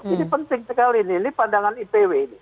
ini penting sekali ini pandangan ipw ini